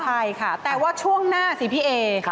ใช่ค่ะแต่ว่าช่วงหน้าสิพี่เอ